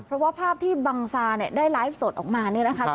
เพราะว่าภาพที่บังซาเนี่ยได้ไลฟ์สดออกมาเนี่ยนะคะ